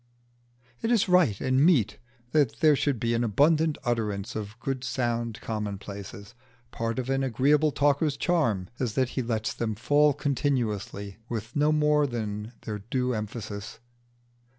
It is right and meet that there should be an abundant utterance of good sound commonplaces. Part of an agreeable talker's charm is that he lets them fall continually with no more than their due emphasis.